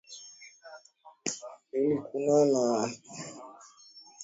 ilkunono wanaepukwa na Wamaasai kwa sababu ya kutengeneza silaha za kifo